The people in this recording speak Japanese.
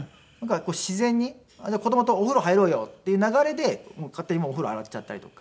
自然に子供とお風呂入ろうよっていう流れで勝手にお風呂洗っちゃったりとか。